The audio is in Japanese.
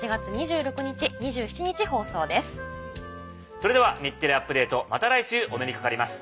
それでは『日テレアップＤａｔｅ！』また来週お目にかかります。